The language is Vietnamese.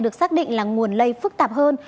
được xác định là nguồn lây phức tạp hơn